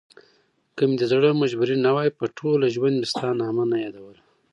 که مې دزړه مجبوري نه وای په ټوله ژوندمي ستا نامه نه يادوله